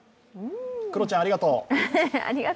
黒ちゃん、ありがとう！